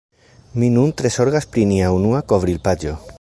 Mi nun tre zorgas pri nia unua kovrilpaĝo.